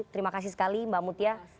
terima kasih sekali mbak mutia